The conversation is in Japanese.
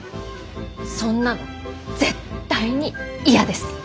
そんなの絶対に嫌です！